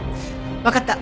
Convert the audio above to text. わかった。